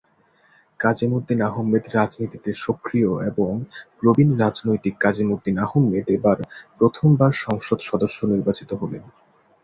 কাজিম উদ্দিন আহম্মেদ রাজনীতিতে সক্রিয় এবং প্রবীণ রাজনৈতিক কাজিম উদ্দিন আহম্মেদ এবার প্রথম বার সংসদ সদস্য নির্বাচিত হলেন।